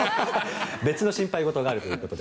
別の心配事があるということで。